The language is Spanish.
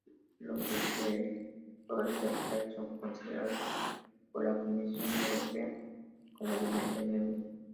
Los esteroles vegetales son considerados por la Comisión Europea como Alimento nuevo.